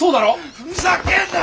ふざけんな！